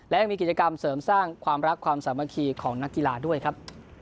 และยังมีกิจกรรมเสริมสร้างความรักความสามัคคีของนักกีฬาด้วยครับ